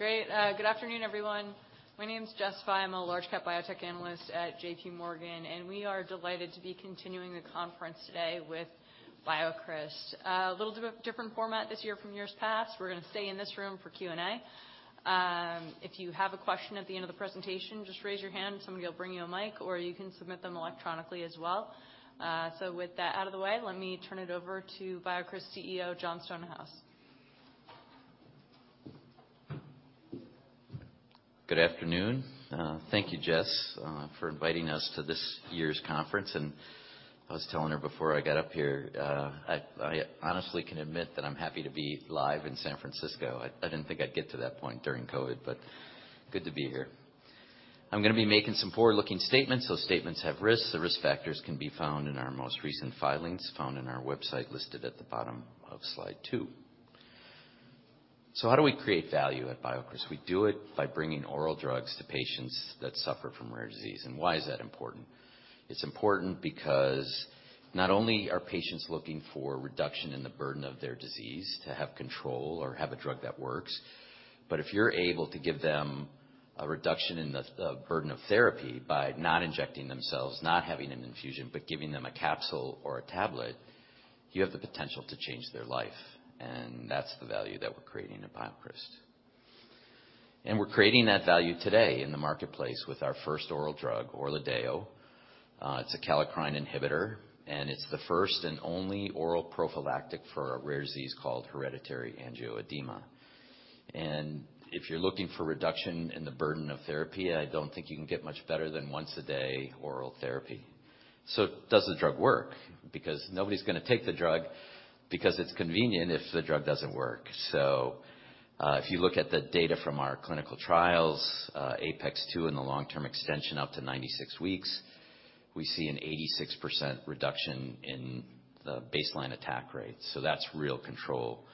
Great. Good afternoon, everyone. My name's Jessica Fye. I'm a large cap biotech analyst at JPMorgan, and we are delighted to be continuing the conference today with BioCryst. A little bit different format this year from years past. We're gonna stay in this room for Q&A. If you have a question at the end of the presentation, just raise your hand, somebody will bring you a mic, or you can submit them electronically as well. With that out of the way, let me turn it over to BioCryst CEO, Jon Stonehouse. Good afternoon. Thank you, Jess, for inviting us to this year's conference. I was telling her before I got up here, I honestly can admit that I'm happy to be live in San Francisco. I didn't think I'd get to that point during COVID, but good to be here. I'm gonna be making some forward-looking statements. Those statements have risks. The risk factors can be found in our most recent filings, found in our website, listed at the bottom of slide 2. How do we create value at BioCryst? We do it by bringing oral drugs to patients that suffer from rare disease. Why is that important? It's important because not only are patients looking for reduction in the burden of their disease to have control or have a drug that works, but if you're able to give them a reduction in the burden of therapy by not injecting themselves, not having an infusion, but giving them a capsule or a tablet, you have the potential to change their life. That's the value that we're creating at BioCryst. We're creating that value today in the marketplace with our first oral drug, ORLADEYO. It's a kallikrein inhibitor, and it's the first and only oral prophylactic for a rare disease called hereditary angioedema. If you're looking for reduction in the burden of therapy, I don't think you can get much better than once-a-day oral therapy. Does the drug work? Because nobody's gonna take the drug because it's convenient if the drug doesn't work. If you look at the data from our clinical trials, APEX-2 and the long-term extension up to 96 weeks, we see an 86% reduction in the baseline attack rate, so that's real control.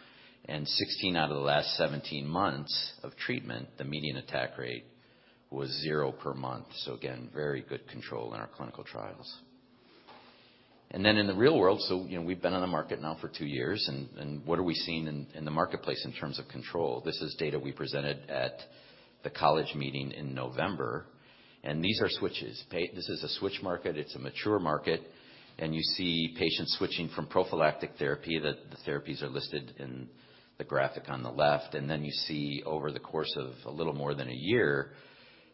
16 out of the last 17 months of treatment, the median attack rate was zero per month. Again, very good control in our clinical trials. Then in the real world, you know, we've been on the market now for two years and what are we seeing in the marketplace in terms of control? This is data we presented at the college meeting in November. These are switches. This is a switch market. It's a mature market. You see patients switching from prophylactic therapy. The therapies are listed in the graphic on the left. You see over the course of a little more than a year,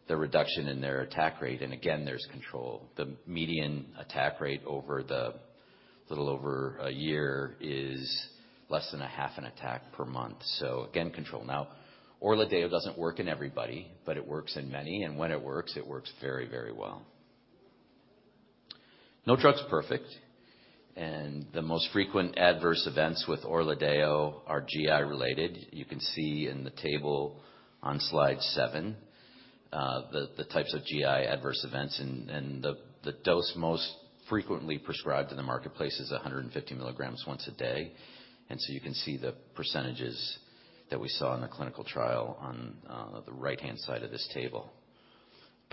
the reduction in their attack rate. Again, there's control. The median attack rate over the little over a year is less than a half an attack per month. Again, control. ORLADEYO doesn't work in everybody, but it works in many. When it works, it works very, very well. No drug's perfect. The most frequent adverse events with ORLADEYO are GI related. You can see in the table on slide 7, the types of GI adverse events and the dose most frequently prescribed in the marketplace is 150 mg once a day. You can see the percentages that we saw in the clinical trial on the right-hand side of this table.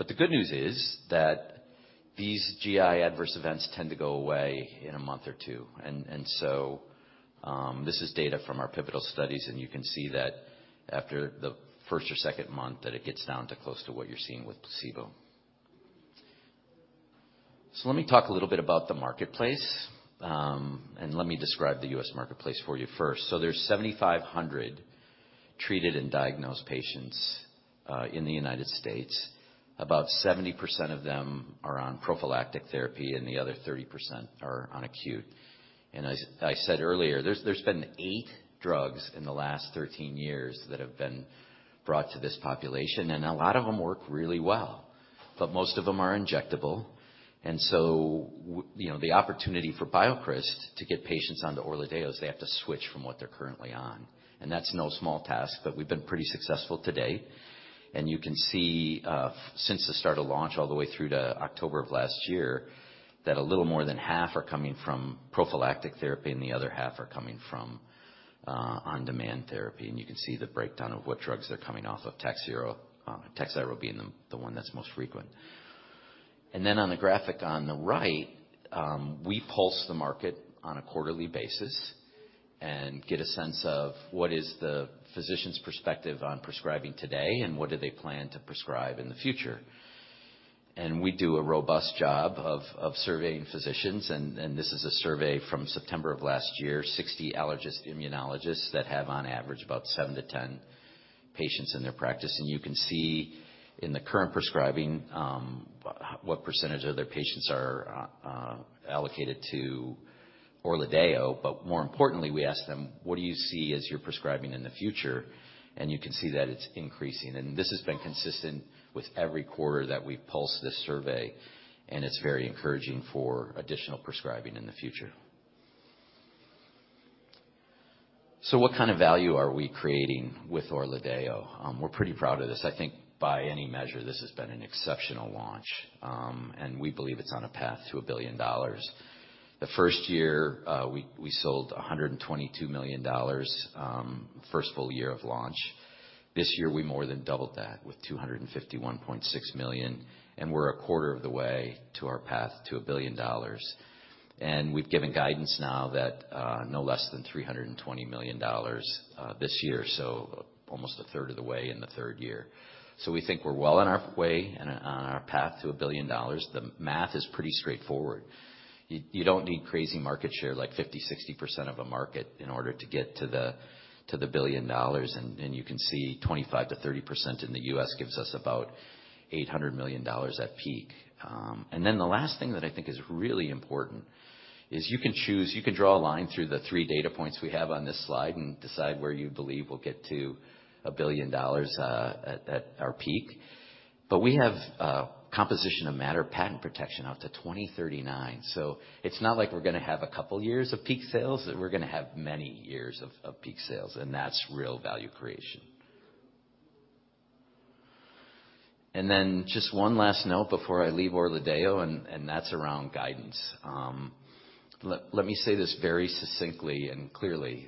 The good news is that these GI adverse events tend to go away in a month or two. This is data from our pivotal studies, and you can see that after the first or second month, that it gets down to close to what you're seeing with placebo. Let me talk a little bit about the marketplace, and let me describe the U.S. marketplace for you first. There's 7,500 treated and diagnosed patients in the United States. About 70% of them are on prophylactic therapy, and the other 30% are on acute. As I said earlier, there's been eight drugs in the last 13 years that have been brought to this population, and a lot of them work really well, but most of them are injectable. You know, the opportunity for BioCryst to get patients onto ORLADEYO is they have to switch from what they're currently on. That's no small task, but we've been pretty successful to date. You can see, since the start of launch all the way through to October of last year, that a little more than half are coming from prophylactic therapy, and the other half are coming from, on-demand therapy. You can see the breakdown of what drugs they're coming off of, TAKHZYRO being the one that's most frequent. On the graphic on the right, we pulse the market on a quarterly basis and get a sense of what is the physician's perspective on prescribing today and what do they plan to prescribe in the future. We do a robust job of surveying physicians. This is a survey from September of last year, 60 allergist immunologists that have on average about seven to 10 patients in their practice. You can see in the current prescribing, what percentage of their patients are allocated to ORLADEYO. More importantly, we ask them, "What do you see as you're prescribing in the future?" You can see that it's increasing. This has been consistent with every quarter that we've pulsed this survey, and it's very encouraging for additional prescribing in the future. What kind of value are we creating with ORLADEYO? We're pretty proud of this. I think by any measure, this has been an exceptional launch. We believe it's on a path to $1 billion. The first year, we sold $122 million, first full year of launch. This year, we more than doubled that with $251.6 million, and we're a quarter of the way to our path to $1 billion. We've given guidance now that no less than $320 million this year, so almost a third of the way in the third year. We think we're well on our way and on our path to $1 billion. The math is pretty straightforward. You don't need crazy market share, like 50%, 60% of a market in order to get to the $1 billion. You can see 25%-30% in the U.S. gives us about $800 million at peak. The last thing that I think is really important is you can choose... You can draw a line through the three data points we have on this slide and decide where you believe we'll get to a $1 billion, at our peak. We have a composition of matter patent protection out to 2039. It's not like we're gonna have a couple years of peak sales, we're gonna have many years of peak sales, and that's real value creation. Just one last note before I leave ORLADEYO, and that's around guidance. Let me say this very succinctly and clearly.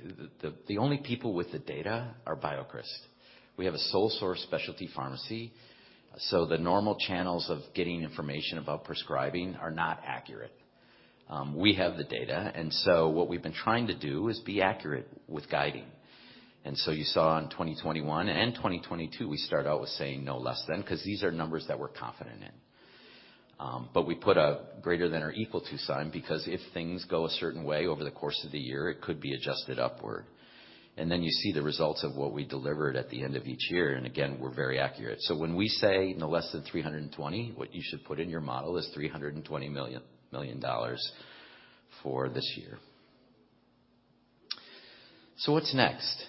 The only people with the data are BioCryst. We have a sole-source specialty pharmacy, so the normal channels of getting information about prescribing are not accurate. We have the data, what we've been trying to do is be accurate with guiding. You saw in 2021 and 2022, we start out with saying no less than, 'cause these are numbers that we're confident in. We put a greater than or equal to sign because if things go a certain way over the course of the year, it could be adjusted upward. You see the results of what we delivered at the end of each year. Again, we're very accurate. When we say no less than 320, what you should put in your model is $320 million for this year. What's next?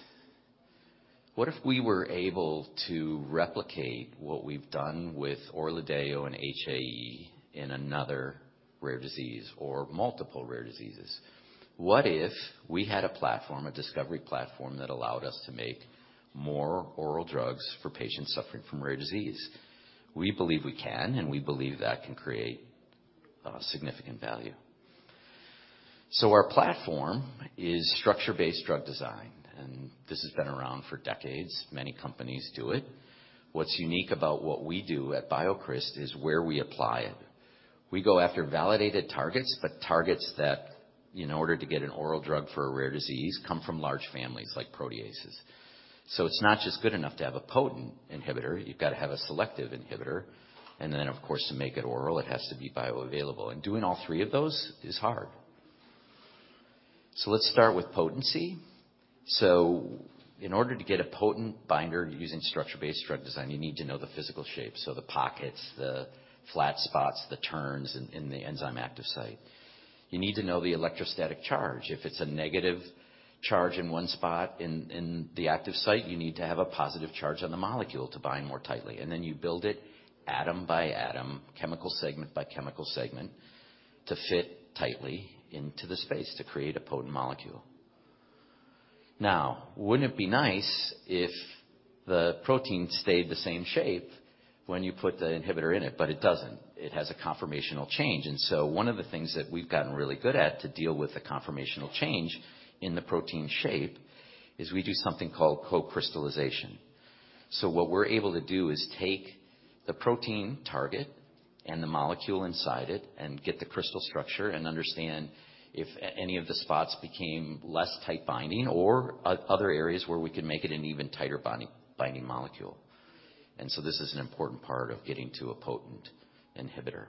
What if we were able to replicate what we've done with ORLADEYO and HAE in another rare disease or multiple rare diseases? What if we had a platform, a discovery platform, that allowed us to make more oral drugs for patients suffering from rare disease? We believe we can, and we believe that can create significant value. Our platform is structure-based drug design. This has been around for decades. Many companies do it. What's unique about what we do at BioCryst is where we apply it. We go after validated targets, but targets that, in order to get an oral drug for a rare disease, come from large families like proteases. It's not just good enough to have a potent inhibitor, you've got to have a selective inhibitor. Then, of course, to make it oral, it has to be bioavailable. Doing all three of those is hard. Let's start with potency. In order to get a potent binder using structure-based drug design, you need to know the physical shape, so the pockets, the flat spots, the turns in the enzyme active site. You need to know the electrostatic charge. If it's a negative charge in one spot in the active site, you need to have a positive charge on the molecule to bind more tightly. Then you build it atom by atom, chemical segment by chemical segment, to fit tightly into the space to create a potent molecule. Wouldn't it be nice if the protein stayed the same shape when you put the inhibitor in it? It doesn't. It has a conformational change. One of the things that we've gotten really good at to deal with the conformational change in the protein shape is we do something called co-crystallization. What we're able to do is take the protein target and the molecule inside it and get the crystal structure and understand if any of the spots became less tight binding or other areas where we could make it an even tighter binding molecule. This is an important part of getting to a potent inhibitor.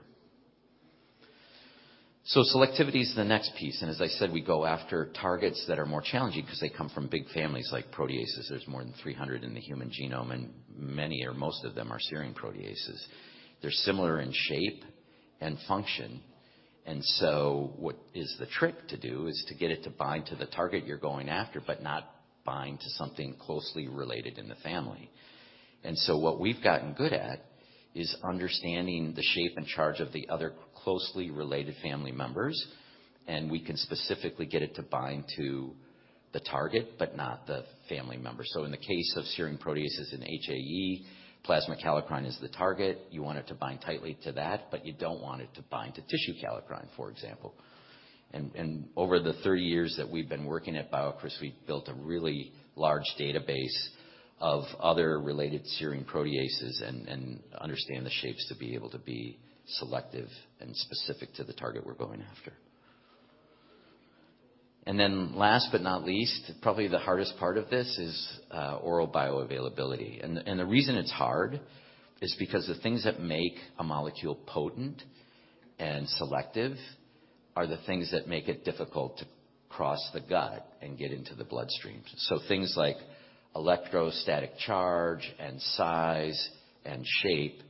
Selectivity is the next piece, and as I said, we go after targets that are more challenging 'cause they come from big families like proteases. There's more than 300 in the human genome, and many or most of them are serine proteases. They're similar in shape and function. What is the trick to do is to get it to bind to the target you're going after, but not bind to something closely related in the family. What we've gotten good at is understanding the shape and charge of the other closely related family members, and we can specifically get it to bind to the target, but not the family member. In the case of serine proteases in HAE, plasma kallikrein is the target. You want it to bind tightly to that, but you don't want it to bind to tissue kallikrein, for example. Over the 30 years that we've been working at BioCryst, we've built a really large database of other related serine proteases and understand the shapes to be able to be selective and specific to the target we're going after. Last but not least, probably the hardest part of this is oral bioavailability. The reason it's hard is because the things that make a molecule potent and selective are the things that make it difficult to cross the gut and get into the bloodstream. Things like electrostatic charge and size and shape,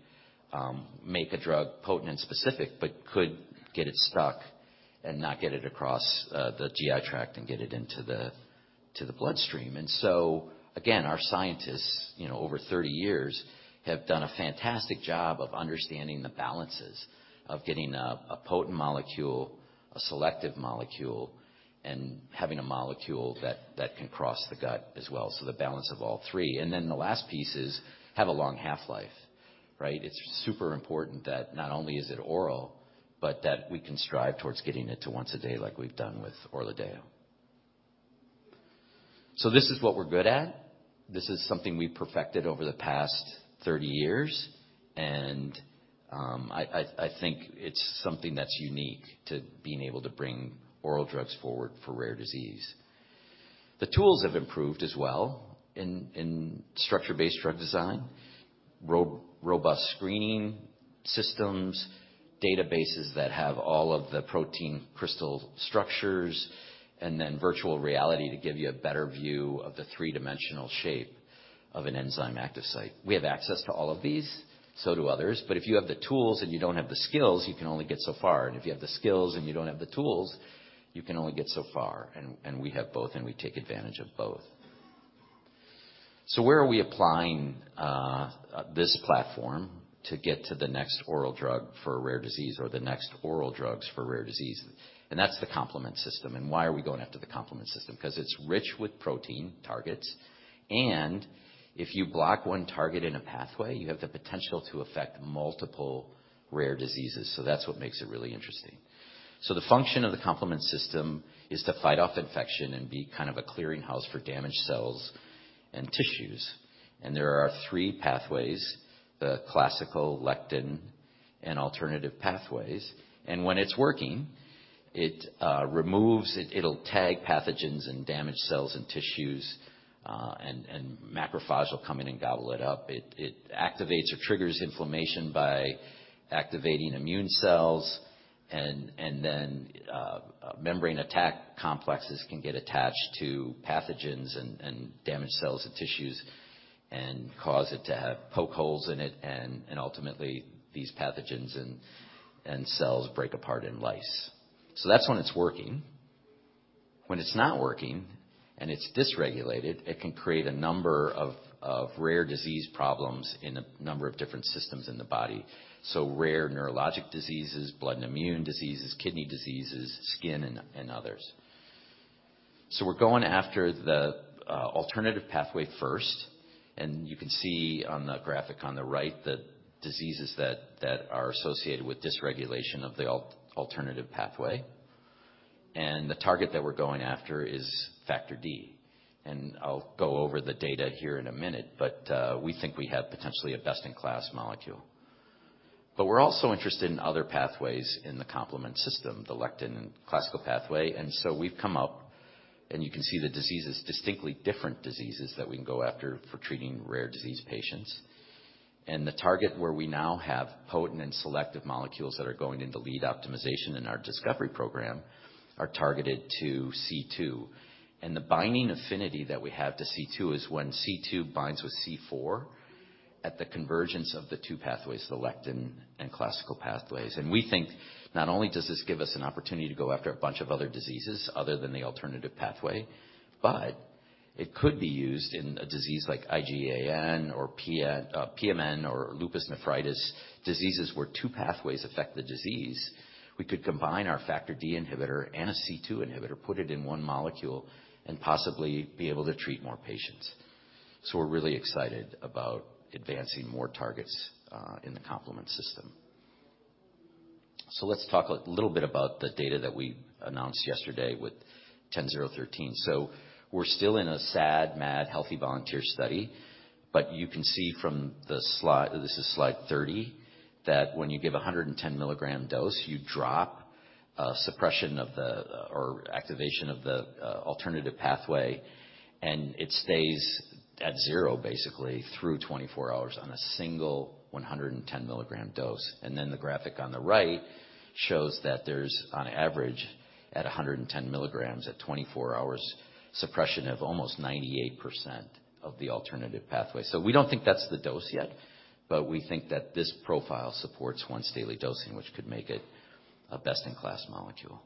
make a drug potent and specific, but could get it stuck and not get it across, the GI tract and get it into the bloodstream. Again, our scientists, you know, over 30 years, have done a fantastic job of understanding the balances of getting a potent molecule, a selective molecule, and having a molecule that can cross the gut as well. The balance of all three. The last piece is have a long half-life. Right? It's super important that not only is it oral, but that we can strive towards getting it to once a day like we've done with ORLADEYO. This is what we're good at. This is something we've perfected over the past 30 years. I think it's something that's unique to being able to bring oral drugs forward for rare disease. The tools have improved as well in structure-based drug design, robust screening systems, databases that have all of the protein crystal structures, and then virtual reality to give you a better view of the three-dimensional shape of an enzyme active site. We have access to all of these, so do others, but if you have the tools and you don't have the skills, you can only get so far. If you have the skills and you don't have the tools, you can only get so far. We have both, and we take advantage of both. Where are we applying this platform to get to the next oral drug for a rare disease or the next oral drugs for rare disease? That's the complement system. Why are we going after the complement system? 'Cause it's rich with protein targets, and if you block one target in a pathway, you have the potential to affect multiple rare diseases. That's what makes it really interesting. The function of the complement system is to fight off infection and be kind of a clearing house for damaged cells and tissues. There are three pathways, the classical pathway, lectin pathway, and alternative pathway. When it's working, it removes... It'll tag pathogens and damaged cells and tissues, and macrophage will come in and gobble it up. It activates or triggers inflammation by activating immune cells and then membrane attack complexes can get attached to pathogens and damaged cells and tissues and cause it to have poke holes in it. Ultimately, these pathogens and cells break apart and lyse. That's when it's working. When it's not working, and it's dysregulated, it can create a number of rare disease problems in a number of different systems in the body; rare neurologic diseases, blood and immune diseases, kidney diseases, skin, and others. We're going after the alternative pathway first, and you can see on the graphic on the right, the diseases that are associated with dysregulation of the alternative pathway. The target that we're going after is Factor D. I'll go over the data here in a minute, but we think we have potentially a best-in-class molecule. We're also interested in other pathways in the complement system, the lectin and classical pathway. We've come up, and you can see the diseases, distinctly different diseases that we can go after for treating rare disease patients. The target where we now have potent and selective molecules that are going into lead optimization in our discovery program are targeted to C2. The binding affinity that we have to C2 is when C2 binds with C4 at the convergence of the two pathways, the lectin and classical pathways. We think not only does this give us an opportunity to go after a bunch of other diseases other than the alternative pathway, but it could be used in a disease like IgAN or PMN or lupus nephritis, diseases where two pathways affect the disease. We could combine our Factor D inhibitor and a C2 inhibitor, put it in one molecule and possibly be able to treat more patients. We're really excited about advancing more targets in the complement system. Let's talk a little bit about the data that we announced yesterday with 10013. We're still in a SAD MAD healthy volunteer study, but you can see from the slide, this is slide 30, that when you give a 110 milligram dose, you drop suppression of the activation of the alternative pathway, and it stays at zero basically through 24 hours on a single 110 milligram dose. The graphic on the right shows that there's, on average, at 110 mg at 24 hours, suppression of almost 98% of the alternative pathway. We don't think that's the dose yet, but we think that this profile supports once daily dosing, which could make it a best-in-class molecule.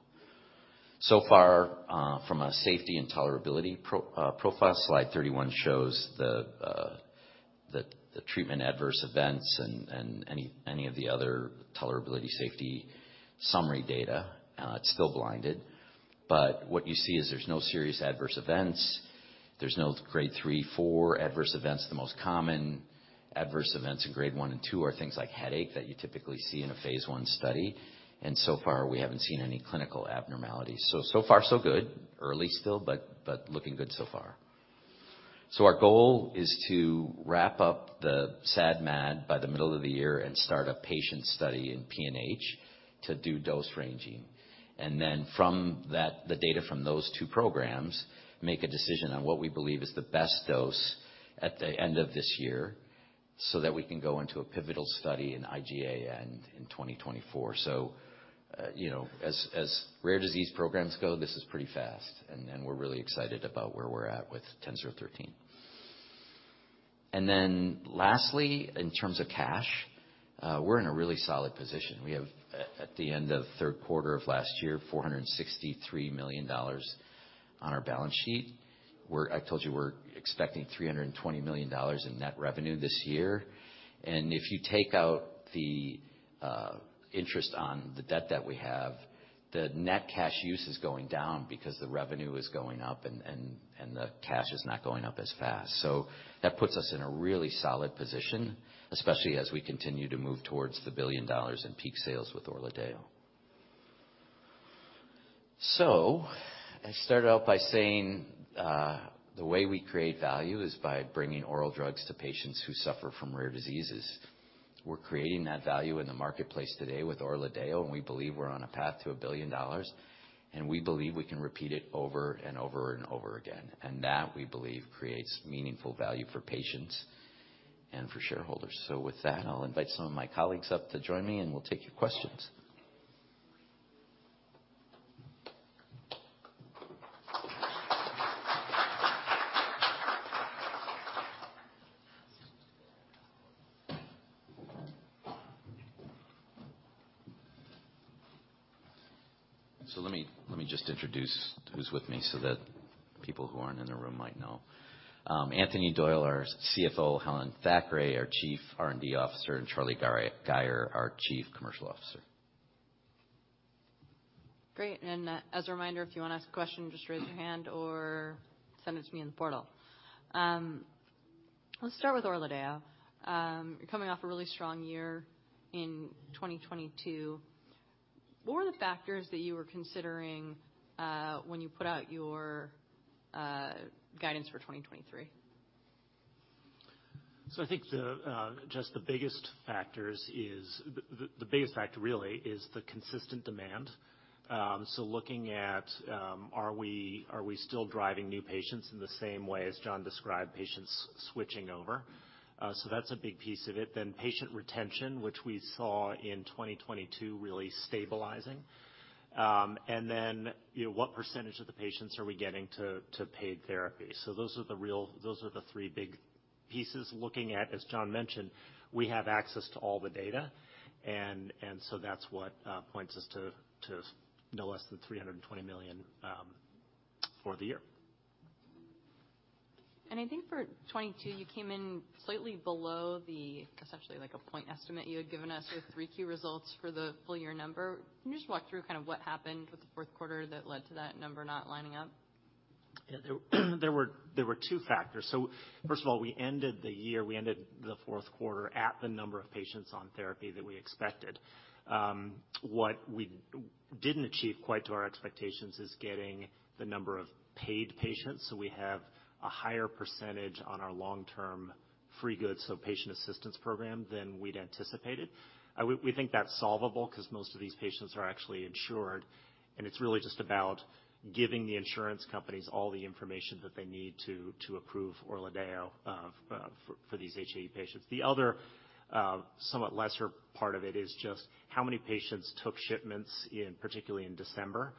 Far, from a safety and tolerability profile, slide 31 shows the treatment adverse events and any of the other tolerability safety summary data. It's still blinded, but what you see is there's no serious adverse events. There's no grade 3, 4 adverse events. The most common adverse events in grade 1 and 2 are things like headache that you typically see in a phase I study. So far, we haven't seen any clinical abnormalities. So far so good. Early still, but looking good so far. Our goal is to wrap up the SAD MAD by the middle of the year and start a patient study in PNH to do dose ranging. From that, the data from those two programs, make a decision on what we believe is the best dose at the end of this year so that we can go into a pivotal study in IgAN in 2024. You know, as rare disease programs go, this is pretty fast, and we're really excited about where we're at with BCX10013. Lastly, in terms of cash, we're in a really solid position. We have, at the end of third quarter of last year, $463 million on our balance sheet. I told you we're expecting $320 million in net revenue this year. If you take out the interest on the debt that we have, the net cash use is going down because the revenue is going up and the cash is not going up as fast. That puts us in a really solid position, especially as we continue to move towards the $1 billion in peak sales with ORLADEYO. I started out by saying, the way we create value is by bringing oral drugs to patients who suffer from rare diseases. We're creating that value in the marketplace today with ORLADEYO, and we believe we're on a path to $1 billion, and we believe we can repeat it over and over and over again. That, we believe, creates meaningful value for patients and for shareholders. With that, I'll invite some of my colleagues up to join me, and we'll take your questions. Let me just introduce who's with me so that people who aren't in the room might know. Anthony Doyle, our CFO, Helen Thackray, our Chief R&D Officer, and Charlie Gayer, our Chief Commercial Officer. Great. As a reminder, if you wanna ask a question, just raise your hand or send it to me in the portal. Let's start with ORLADEYO. You're coming off a really strong year in 2022. What were the factors that you were considering when you put out your guidance for 2023? I think the biggest factor really is the consistent demand. Looking at, are we still driving new patients in the same way as Jon described patients switching over? That's a big piece of it. Patient retention, which we saw in 2022 really stabilizing. You know, what percentage of the patients are we getting to paid therapy? Those are the three big pieces. Looking at, as Jon mentioned, we have access to all the data that's what points us to no less than $320 million for the year. I think for 2022, you came in slightly below essentially like a point estimate you had given us with three key results for the full year number. Can you just walk through kind of what happened with the fourth quarter that led to that number not lining up? There were two factors. First of all, we ended the year, we ended the fourth quarter at the number of patients on therapy that we expected. What we didn't achieve quite to our expectations is getting the number of paid patients, so we have a higher percentage on our long-term free goods, so patient assistance program, than we'd anticipated. We think that's solvable 'cause most of these patients are actually insured, and it's really just about giving the insurance companies all the information that they need to approve ORLADEYO for these HAE patients. The other somewhat lesser part of it is just how many patients took shipments in, particularly in December.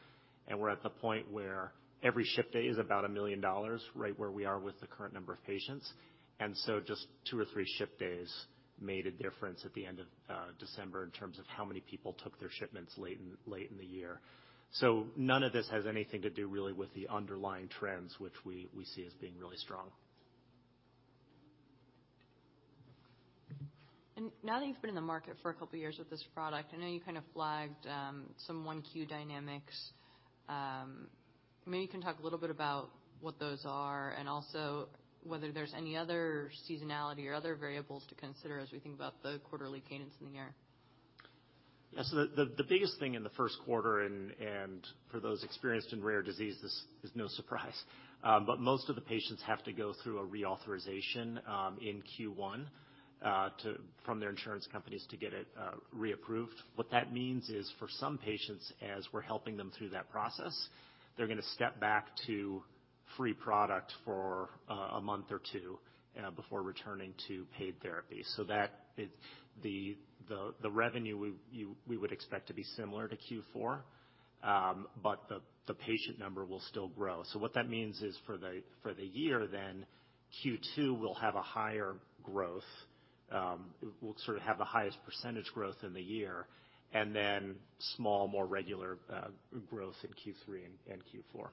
We're at the point where every ship day is about $1 million, right where we are with the current number of patients. Just two or three ship days made a difference at the end of December in terms of how many people took their shipments late in the year. None of this has anything to do really with the underlying trends, which we see as being really strong. Now that you've been in the market for a couple of years with this product, I know you kind of flagged, some 1Q dynamics. Maybe you can talk a little bit about what those are and also whether there's any other seasonality or other variables to consider as we think about the quarterly cadence in the year. The biggest thing in the first quarter and for those experienced in rare diseases is no surprise, but most of the patients have to go through a reauthorization in Q1 from their insurance companies to get it reapproved. What that means is for some patients, as we're helping them through that process, they're gonna step back to free product for a month or two before returning to paid therapy. That is the revenue we would expect to be similar to Q4, but the patient number will still grow. What that means is for the year, then Q2 will have a higher growth, will sort of have the highest percentage growth in the year, and then small, more regular growth in Q3 and Q4.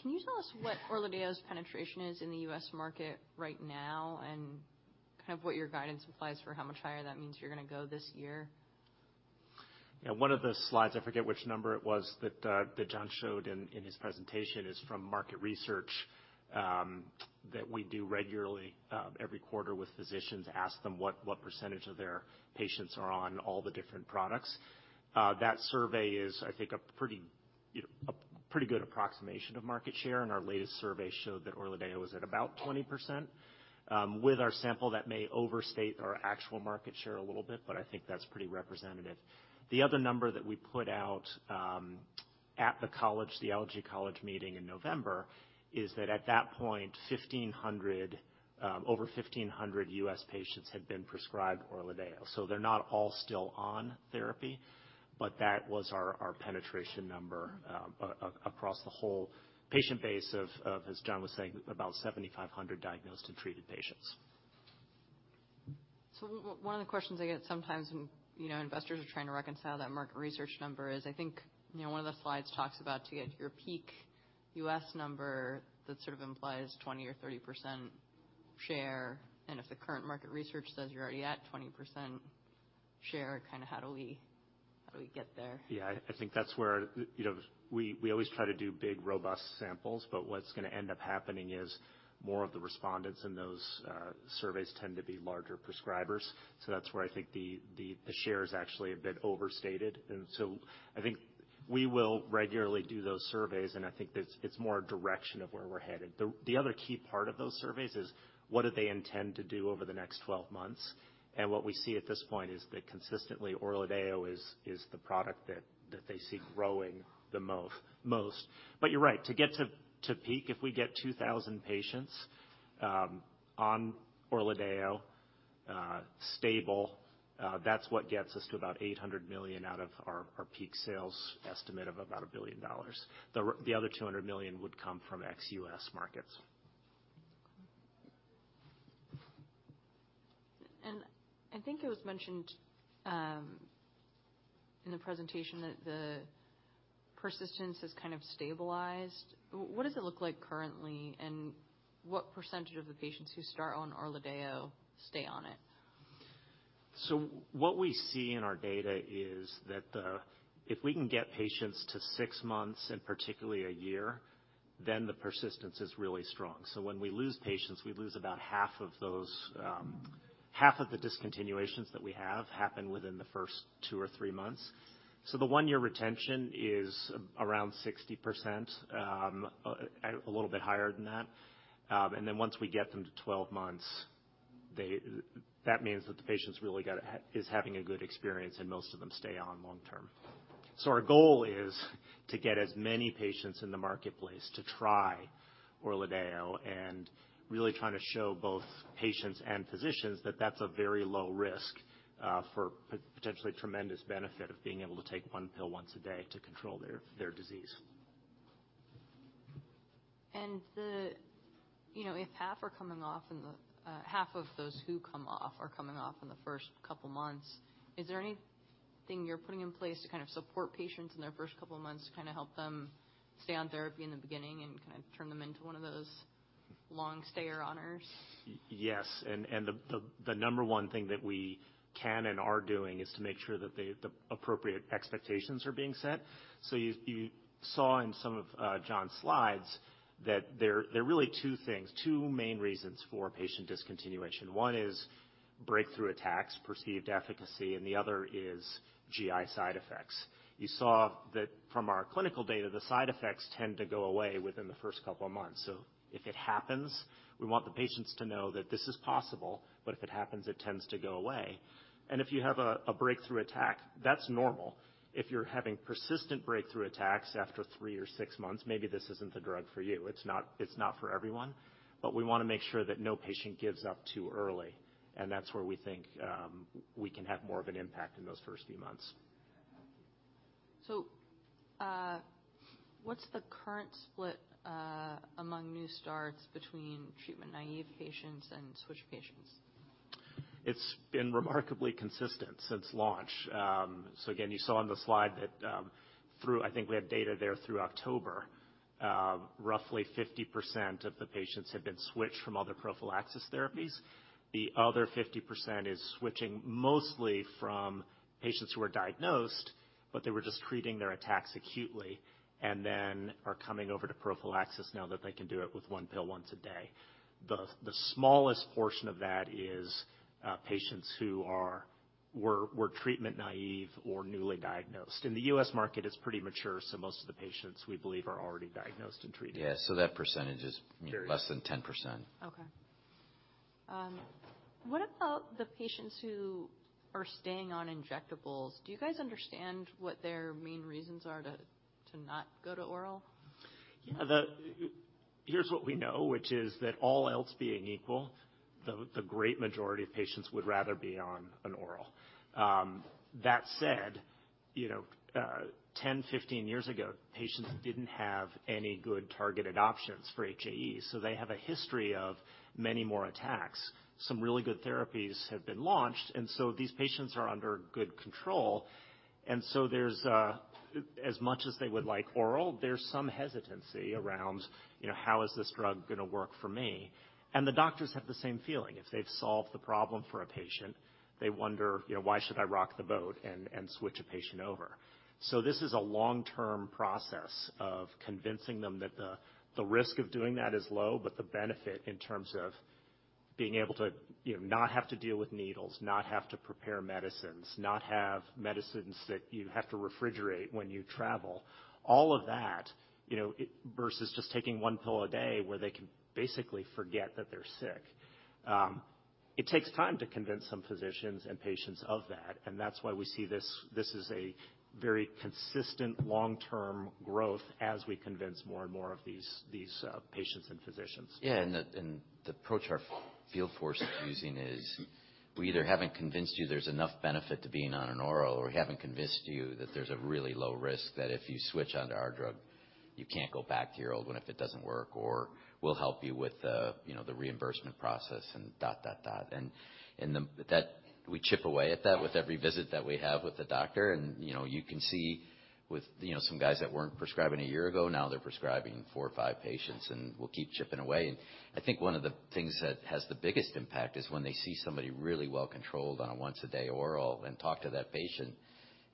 Can you tell us what ORLADEYO's penetration is in the U.S. market right now and kind of what your guidance implies for how much higher that means you're gonna go this year? Yeah. One of the slides, I forget which number it was, that Jon showed in his presentation is from market research that we do regularly every quarter with physicians, ask them what percentage of their patients are on all the different products. That survey is, I think, a pretty, you know, pretty good approximation of market share, and our latest survey showed that ORLADEYO is at about 20%. With our sample, that may overstate our actual market share a little bit, but I think that's pretty representative. The other number that we put out at the college, the Allergy College meeting in November, is that at that point, 1,500 over 1,500 U.S. patients had been prescribed ORLADEYO. They're not all still on therapy, but that was our penetration number across the whole patient base of, as Jon was saying, about 7,500 diagnosed and treated patients. One of the questions I get sometimes when, you know, investors are trying to reconcile that market research number is, I think, you know, one of the slides talks about to get to your peak U.S. number, that sort of implies 20% or 30% share. If the current market research says you're already at 20% share, kinda how do we get there? Yeah, I think that's where, you know, we always try to do big, robust samples, but what's gonna end up happening is more of the respondents in those surveys tend to be larger prescribers. That's where I think the share is actually a bit overstated. I think we will regularly do those surveys, and I think it's more a direction of where we're headed. The other key part of those surveys is what do they intend to do over the next 12 months. What we see at this point is that consistently ORLADEYO is the product that they see growing the most. You're right. To get to peak, if we get 2,000 patients on ORLADEYO stable, that's what gets us to about $800 million out of our peak sales estimate of about $1 billion. The other $200 million would come from ex-U.S. markets. I think it was mentioned in the presentation that the persistence has kind of stabilized. What does it look like currently, and what percentage of the patients who start on ORLADEYO stay on it? What we see in our data is that the. If we can get patients to six months, and particularly a year, then the persistence is really strong. When we lose patients, we lose about half of those. Half of the discontinuations that we have happen within the first two or three months. The one-year retention is around 60%, a little bit higher than that. Once we get them to 12 months, that means that the patient's really having a good experience, and most of them stay on long term. Our goal is to get as many patients in the marketplace to try ORLADEYO and really trying to show both patients and physicians that that's a very low risk for potentially tremendous benefit of being able to take one pill once a day to control their disease. You know, if half are coming off in the, half of those who come off are coming off in the first couple months, is there anything you're putting in place to kind of support patients in their first couple of months to kind of help them stay on therapy in the beginning and kind of turn them into one of those long stayer-oners? Yes. The number one thing that we can and are doing is to make sure that the appropriate expectations are being set. You saw in some of Jon's slides that there are really two things, two main reasons for patient discontinuation. One is breakthrough attacks, perceived efficacy, and the other is GI side effects. You saw that from our clinical data, the side effects tend to go away within the first couple of months. If it happens, we want the patients to know that this is possible, but if it happens, it tends to go away. If you have a breakthrough attack, that's normal. If you're having persistent breakthrough attacks after three or six months, maybe this isn't the drug for you. It's not for everyone. We wanna make sure that no patient gives up too early, and that's where we think, we can have more of an impact in those first few months. What's the current split among new starts between treatment-naive patients and switch patients? It's been remarkably consistent since launch. Again, you saw on the slide that I think we have data there through October. Roughly 50% of the patients have been switched from other prophylaxis therapies. The other 50% is switching mostly from patients who are diagnosed, but they were just treating their attacks acutely and then are coming over to prophylaxis now that they can do it with one pill once a day. The smallest portion of that is patients who were treatment naive or newly diagnosed. In the U.S. market, it's pretty mature, so most of the patients, we believe, are already diagnosed and treated. Yeah. that percentage is- Very... less than 10%. What about the patients who are staying on injectables? Do you guys understand what their main reasons are to not go to oral? Yeah. Here's what we know, which is that all else being equal, the great majority of patients would rather be on an oral. That said, you know, 10, 15 years ago, patients didn't have any good targeted options for HAE, so they have a history of many more attacks. Some really good therapies have been launched. These patients are under good control. There's, as much as they would like oral, there's some hesitancy around, you know, how is this drug gonna work for me? The doctors have the same feeling. If they've solved the problem for a patient, they wonder, you know, "Why should I rock the boat and switch a patient over?" This is a long-term process of convincing them that the risk of doing that is low, but the benefit in terms of being able to, you know, not have to deal with needles, not have to prepare medicines, not have medicines that you have to refrigerate when you travel, all of that, you know, it versus just taking one pill a day where they can basically forget that they're sick. It takes time to convince some physicians and patients of that, and that's why we see this is a very consistent long-term growth as we convince more and more of these patients and physicians. Yeah. The approach our field force is using is we either haven't convinced you there's enough benefit to being on an oral, or we haven't convinced you that there's a really low risk that if you switch onto our drug, you can't go back to your old one if it doesn't work, or we'll help you with the, you know, the reimbursement process and dot, dot. But that we chip away at that with every visit that we have with the doctor. You know, you can see with, you know, some guys that weren't prescribing a year ago, now they're prescribing four or five patients, and we'll keep chipping away. I think one of the things that has the biggest impact is when they see somebody really well controlled on a once-a-day oral and talk to that patient,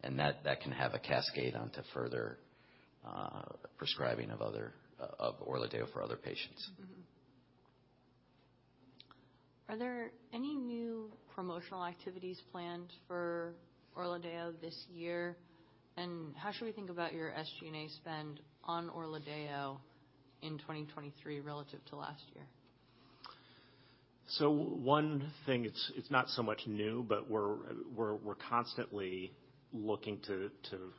and that can have a cascade onto further prescribing of Orladeyo for other patients. Mm-hmm. Are there any new promotional activities planned for ORLADEYO this year? How should we think about your SG&A spend on ORLADEYO in 2023 relative to last year? One thing, it's not so much new, but we're constantly looking to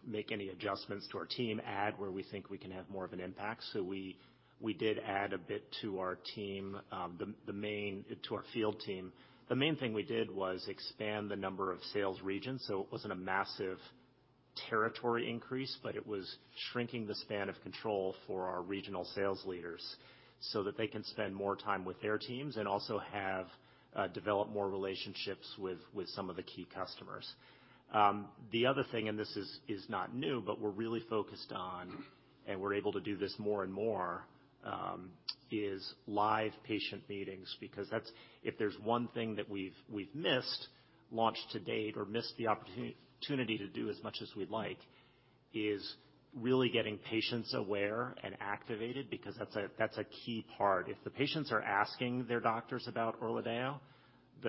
make any adjustments to our team add where we think we can have more of an impact. We did add a bit to our team to our field team. The main thing we did was expand the number of sales regions. It wasn't a massive territory increase, but it was shrinking the span of control for our regional sales leaders so that they can spend more time with their teams and also have develop more relationships with some of the key customers. The other thing, and this is not new, but we're really focused on, and we're able to do this more and more, is live patient meetings, because that's if there's one thing that we've missed launch to date or missed the opportunity to do as much as we'd like, is really getting patients aware and activated because that's a, that's a key part. If the patients are asking their doctors about ORLADEYO,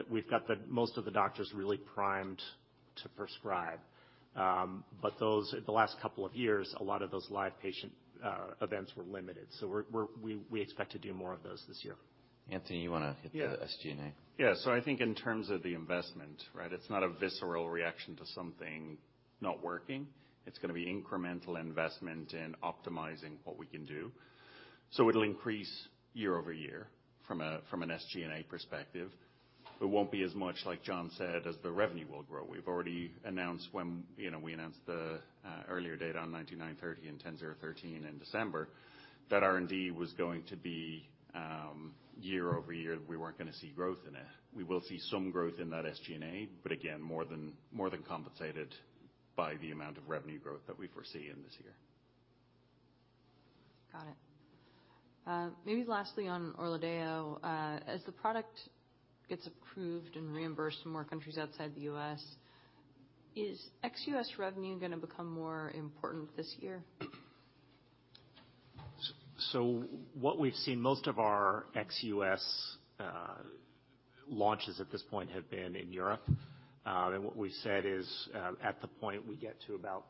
we've got the most of the doctors really primed to prescribe. Those. The last couple of years, a lot of those live patient events were limited. We expect to do more of those this year. Anthony, you wanna hit the SG&A? I think in terms of the investment, right? It's not a visceral reaction to something not working. It's gonna be incremental investment in optimizing what we can do. It'll increase year-over-year from an SG&A perspective. It won't be as much like Jon said, as the revenue will grow. We've already announced when, you know, we announced the earlier date on BCX9930 and BCX10013 in December, that R&D was going to be year-over-year. We weren't gonna see growth in it. We will see some growth in that SG&A. Again, more than compensated by the amount of revenue growth that we foresee in this year. Got it. Maybe lastly on ORLADEYO, as the product gets approved and reimbursed in more countries outside the U.S., is ex-U.S. revenue gonna become more important this year? What we've seen most of our ex-U.S. launches at this point have been in Europe. What we said is, at the point we get to about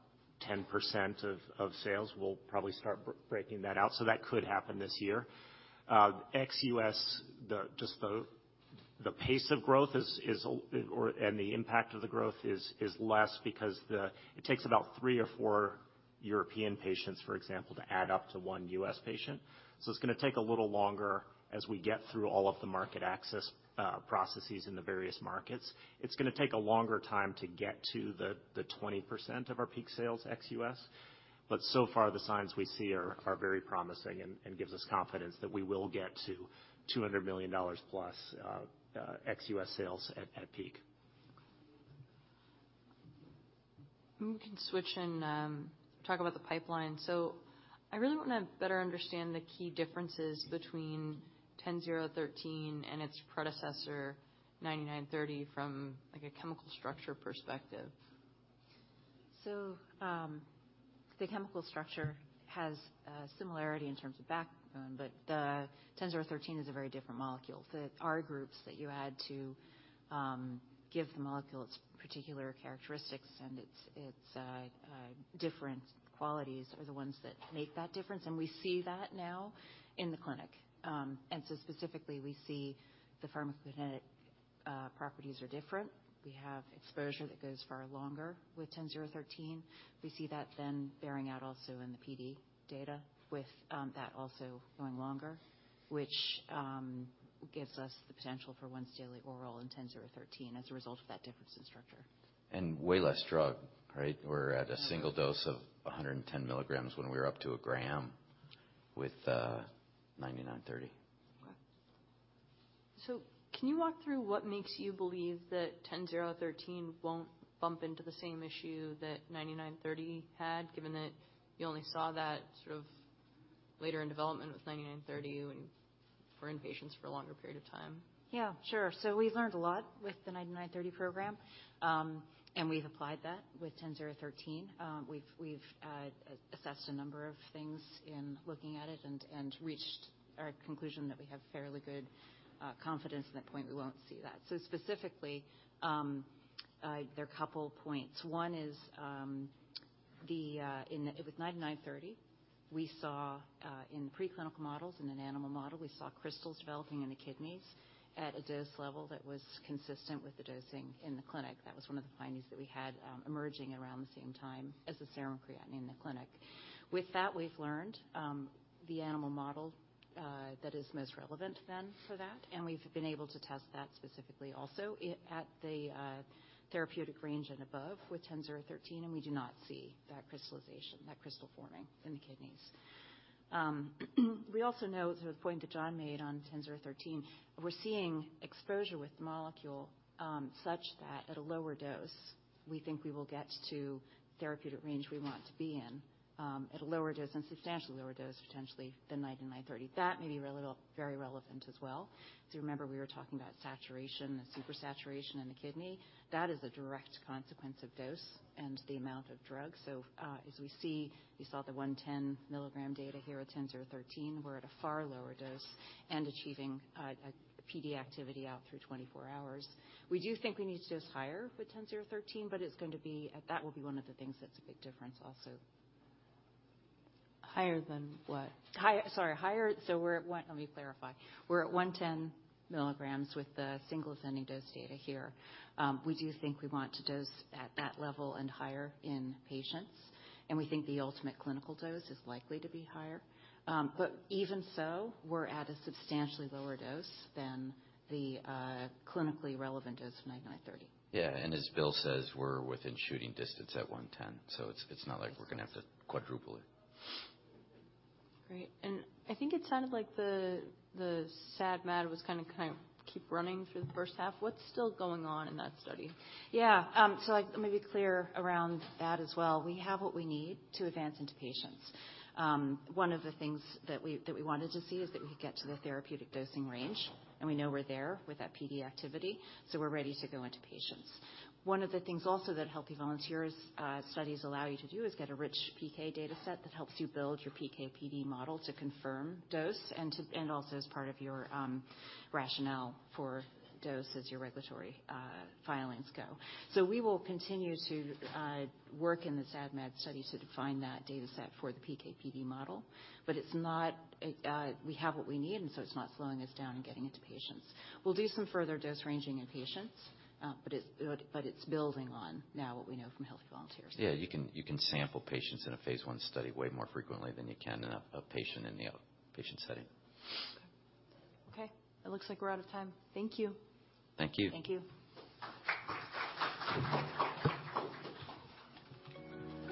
10% of sales, we'll probably start breaking that out. That could happen this year. Ex-U.S., just the pace of growth is or and the impact of the growth is less because the... It takes about three or four European patients, for example, to add up to one U.S. patient. It's gonna take a little longer as we get through all of the market access processes in the various markets. It's gonna take a longer time to get to the 20% of our peak sales ex-U.S. So far, the signs we see are very promising and gives us confidence that we will get to $200 million plus, ex-US sales at peak. We can switch and talk about the pipeline. I really wanna better understand the key differences between 10013 and its predecessor 9930 from, like, a chemical structure perspective. The chemical structure has a similarity in terms of backbone, but BCX10013 is a very different molecule. The R groups that you add to give the molecule its particular characteristics and its, different qualities are the ones that make that difference, and we see that now in the clinic. Specifically, we see the pharmacokinetic properties are different. We have exposure that goes far longer with BCX10013. We see that then bearing out also in the PD data with that also going longer, which gives us the potential for once-daily oral in BCX10013 as a result of that difference in structure. Way less drug, right? We're at a single dose of 110 mg when we're up to 1 g with BCX9930. Okay. Can you walk through what makes you believe that BCX10013 won't bump into the same issue that BCX9930 had, given that you only saw that sort of later in development with BCX9930 when for in-patients for a longer period of time? Yeah, sure. We've learned a lot with the BCX9930 program, and we've applied that with BCX10013. We've assessed a number of things in looking at it and reached our conclusion that we have fairly good confidence in that point we won't see that. Specifically, there are a couple points. One is, the with BCX9930, we saw in the preclinical models, in an animal model, we saw crystals developing in the kidneys at a dose level that was consistent with the dosing in the clinic. That was one of the findings that we had emerging around the same time as the serum creatinine in the clinic. With that, we've learned the animal model that is most relevant then for that, we've been able to test that specifically also at the therapeutic range and above with BCX10013, and we do not see that crystallization, that crystal forming in the kidneys. We also know the point that Jon Stonehouse made on BCX10013. We're seeing exposure with the molecule such that at a lower dose, we think we will get to therapeutic range we want to be in, at a lower dose and substantially lower dose potentially than BCX9930. That may be very relevant as well. Remember we were talking about saturation and super saturation in the kidney. That is a direct consequence of dose and the amount of drugs. As we see, you saw the 110 mg data here at BCX10013. We're at a far lower dose and achieving PD activity out through 24 hours. We do think we need to dose higher with BCX10013, that will be one of the things that's a big difference also. Higher than what? Sorry, higher. Let me clarify. We're at 110 mg with the single ascending dose data here. We do think we want to dose at that level and higher in patients, and we think the ultimate clinical dose is likely to be higher. Even so, we're at a substantially lower dose than the clinically relevant dose of BCX9930. Yeah. As Bill says, we're within shooting distance at 110, so it's not like we're going to have to quadruple it. Great. I think it sounded like the SAD MAD was kinda keep running through the first half. What's still going on in that study? Yeah. So like maybe clear around that as well. We have what we need to advance into patients. One of the things that we wanted to see is that we could get to the therapeutic dosing range, and we know we're there with that PD activity, so we're ready to go into patients. One of the things also that healthy volunteers studies allow you to do is get a rich PK data set that helps you build your PK/PD model to confirm dose and to... and also as part of your rationale for dose as your regulatory filings go. We will continue to work in the SAD MAD study to define that data set for the PK/PD model. It's not, we have what we need, and so it's not slowing us down and getting into patients. We'll do some further dose ranging in patients, but it's building on now what we know from healthy volunteers. Yeah, you can sample patients in a phase I study way more frequently than you can in a patient in the outpatient setting. Okay. It looks like we're out of time. Thank you. Thank you. Thank you.